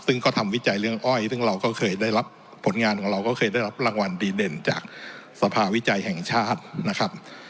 ซึ่งก็ทำวิจัยเรื่องอ้อยซึ่งเราก็เคยได้รับผลงานของเราก็เคยได้รับรางวัลดีเด่นจากสภาวิจัยแห่งชาตินะครับ